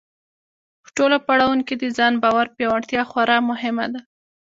په ټولو پړاوونو کې د ځان باور پیاوړتیا خورا مهمه ده.